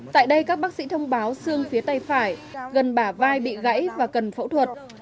tại đây các bác sĩ thông báo xương phía tay phải gần bả vai bị gãy và cần phẫu thuật